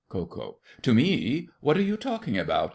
KO. To me? What are you talking about?